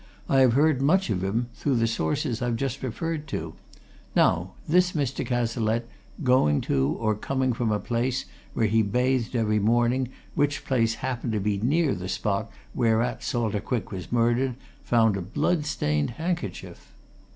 "I have heard much of him, through the sources I've just referred to. Now, this Mr. Cazalette, going to or coming from a place where he bathed every morning, which place happened to be near the spot whereat Salter Quick was murdered, found a blood stained handkerchief?"